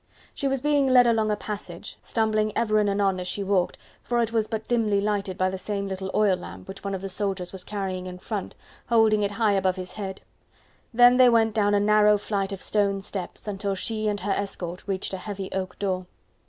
She was being led along a passage, stumbling ever and anon as she walked, for it was but dimly lighted by the same little oil lamp, which one of the soldiers was carrying in front, holding it high up above his head: then they went down a narrow flight of stone steps, until she and her escort reached a heavy oak door.